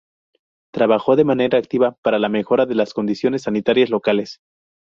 Trabajó de manera activa para la mejora de las condiciones sanitarias locales.